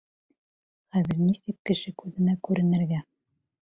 — Хәҙер нисек кеше күҙенә күренергә?